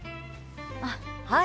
あっはい。